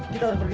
kita perlu pergi